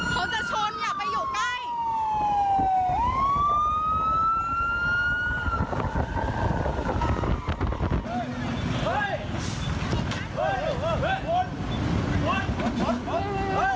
เขาจะชนอย่าไปอยู่ใกล้